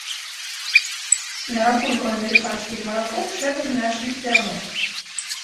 На рахунку амерыканскіх маракоў шэраг значных перамог.